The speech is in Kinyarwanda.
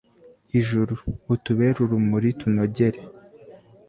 ijuru, utubere urumuri tunogere